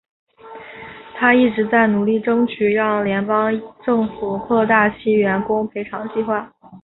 她一直在努力争取让联邦政府扩大其员工赔偿计划。